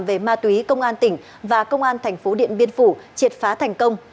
về ma túy công an tỉnh và công an thành phố điện biên phủ triệt phá thành công